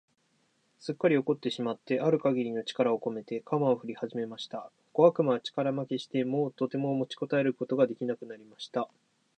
すっかり怒ってしまってある限りの力をこめて、鎌をふりはじました。小悪魔は力負けして、もうとても持ちこたえることが出来なくなりました。